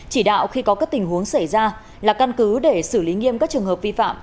chỉ đạo khi có các tình huống xảy ra là căn cứ để xử lý nghiêm các trường hợp vi phạm